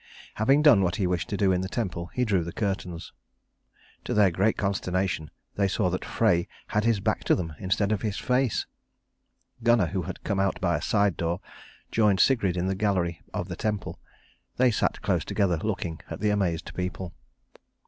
Having done what he wished to do in the temple, he drew the curtains. To their great consternation they saw that Frey had his back to them instead of his face. Gunnar, who had come out by a side door, joined Sigrid in the gallery of the temple. They sat close together looking at the amazed people.